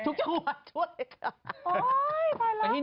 ทุกยังวัดช่วงนี้ค่ะ